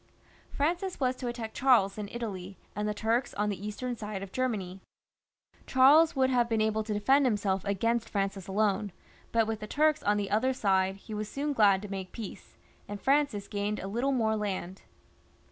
Francis was to attack Charles in Italy, and the Turks on the eastern side of Germany. Charles would have been able to defend him seK against Francis alone, but with the Turks on the other side he was soon glad to make peace, and Francis gained a little more land.